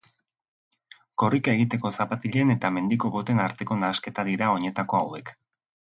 Korrika egiteko zapatilen eta mendiko boten arteko nahasketa dira oinetako hauek.